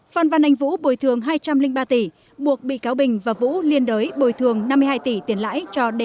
phan văn anh vũ bồi thường hai trăm linh ba tỷ buộc bị cáo bình và vũ liên đới bồi thường năm mươi hai tỷ tiền lãi cho de